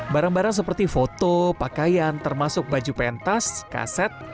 barang barang seperti foto pakaian termasuk baju pentas kaset